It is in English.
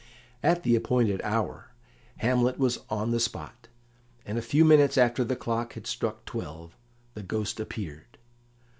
At the appointed hour Hamlet was on the spot, and a few minutes after the clock had struck twelve the Ghost appeared.